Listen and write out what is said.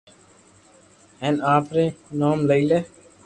ھين آپري نوم لئي لي